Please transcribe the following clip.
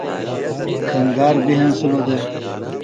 کھنگار بیۡ ہینسِلوۡ دےۡ